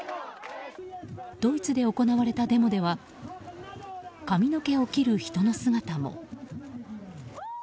ドイツで行われたデモでは髪の毛を切る人の姿も。